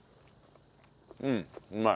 うんうまい。